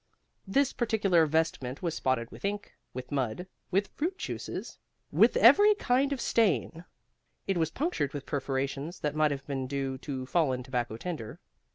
This particular vestment was spotted with ink, with mud, with fruit juices, with every kind of stain; it was punctured with perforations that might have been due to fallen tobacco tinder.